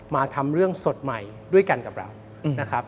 มาทำเรื่องสดใหม่ด้วยกันกับเรานะครับ